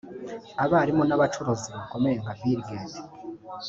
abarimu n’abacuruzi bakomeye nka Bill Gate